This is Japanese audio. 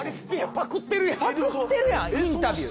パクってるやんインタビュー。